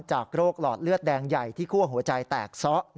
จากโรคหลอดเลือดแดงใหญ่ที่คั่วหัวใจแตกซะ